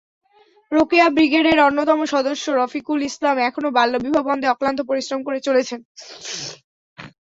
রোকেয়া ব্রিগেডের অন্যতম সদস্য রফিকুল ইসলাম এখনো বাল্যবিবাহ বন্ধে অক্লান্ত পরিশ্রম করে চলেছেন।